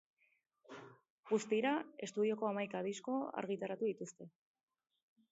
Guztira, estudioko hamaika disko argitaratu dituzte.